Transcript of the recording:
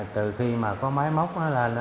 từ khi mà có máy móc nó lên